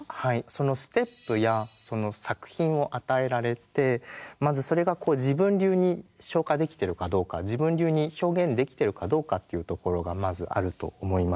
そのステップやその作品を与えられてまずそれが自分流に消化できてるかどうか自分流に表現できてるかどうかっていうところがまずあると思います。